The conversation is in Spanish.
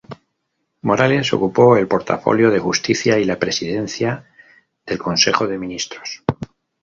Morales ocupó el portafolio de Justicia y la presidencia del Consejo de Ministros.